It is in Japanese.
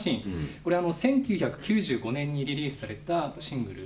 これは１９９５年にリリースされたシングル。